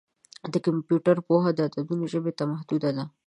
د کمپیوټر پوهه د عددونو ژبې ته محدوده ده.